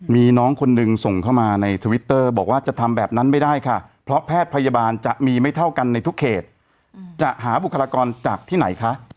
มีน้องคนหนึ่งส่งเข้ามาในทวิตเตอร์บอกว่าจะทำแบบนั้นไม่ได้ค่ะเพราะแพทย์พยาบาลจะมีไม่เท่ากันในทุกเขตจะหาบุคลากรจากที่ไหนคะ